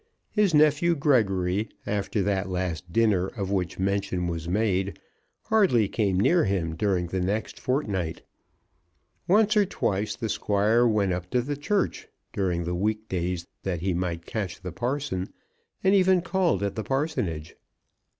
His nephew Gregory, after that last dinner of which mention was made, hardly came near him during the next fortnight. Once or twice the Squire went up to the church during week days that he might catch the parson, and even called at the parsonage.